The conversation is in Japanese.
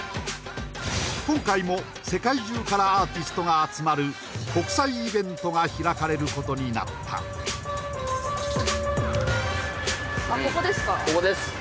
今回も世界中からアーティストが集まる国際イベントが開かれることになったここですか？